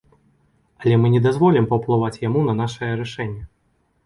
Але мы не дазволім паўплываць яму на нашае рашэнне.